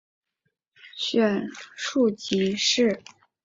选庶吉士。